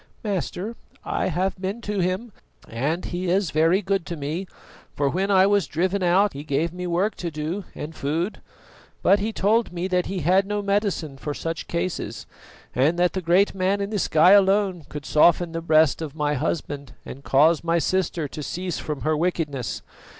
"Master, I have been to him, and he is very good to me, for when I was driven out he gave me work to do and food. But he told me that he had no medicine for such cases, and that the Great Man in the sky alone could soften the breast of my husband and cause my sister to cease from her wickedness.